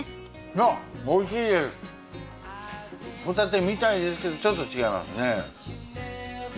ホタテみたいですけどちょっと違いますね。